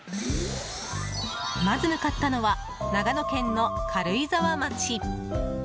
まず向かったのは長野県の軽井沢町。